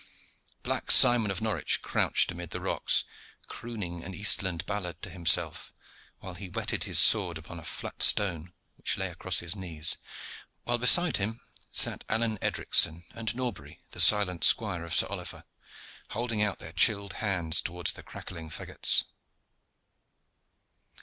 Black Simon of Norwich crouched amid the rocks, crooning an Eastland ballad to himself, while he whetted his sword upon a flat stone which lay across his knees; while beside him sat Alleyne Edricson, and Norbury, the silent squire of Sir Oliver, holding out their chilled hands towards the crackling faggots.